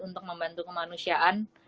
untuk membantu kemanusiaan